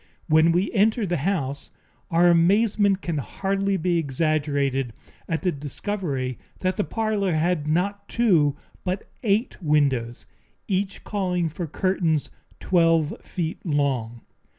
When we entered the house, our amazement can hardly be exaggerated at the discovery that the parlor had not two but eight windows, each calling for curtains twelve feet long.